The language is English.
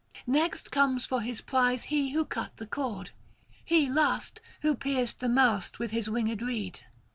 Next comes for his prize he who cut the cord; he last, who pierced the mast with his winged reed.